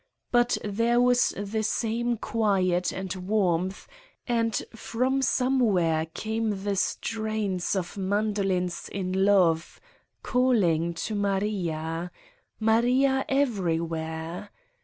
But there was the same quiet and warmth and from somewhere came the strains of mandolins in love, calling to Maria. Maria everywhere!